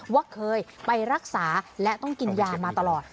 ว่าเคยไปรักษาและต้องกินยามาตลอด